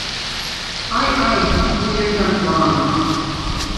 Ai, ai! Nu iet gan plāni!